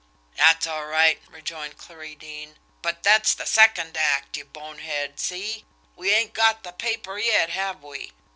"That's all right," rejoined Clarie Deane; "but that's the second act, you bonehead, see! We ain't got the paper yet, have we?